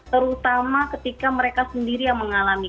terutama ketika mereka sendiri yang mengalami